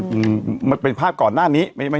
เหมือนเป็นภาพก่อนหน้านี้แต่แรก